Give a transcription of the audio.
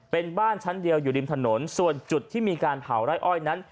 เป็นบ้านชั้นเดียวอยู่ริมถนนส่วนจุดที่มีการเผาไร่อ้อยนั้น